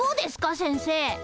先生。